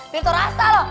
nih toh rasa loh